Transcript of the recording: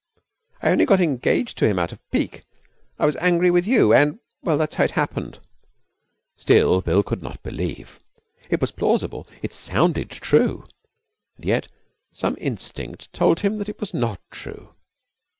'I only got engaged to him out of pique. I was angry with you, and Well, that's how it happened.' Still Bill could not believe. It was plausible. It sounded true. And yet some instinct told him that it was not true.